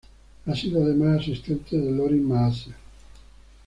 Ha sido, además, asistente de Lorin Maazel.